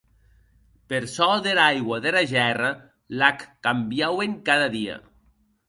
Per çò dera aigua dera gèrra, l'ac cambiauen cada dia.